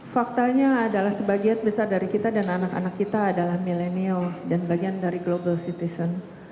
faktanya adalah sebagian besar dari kita dan anak anak kita adalah millennial dan bagian dari global citizen